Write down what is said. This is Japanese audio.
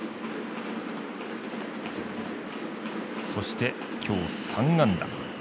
そして、今日３安打。